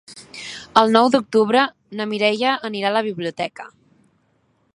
El nou d'octubre na Mireia anirà a la biblioteca.